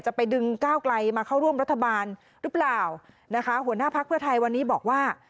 ไปดึงก้าวไกลมาเข้าร่วมรัฐบาลหรือเปล่านะคะหัวหน้าพักเพื่อไทยวันนี้บอกว่า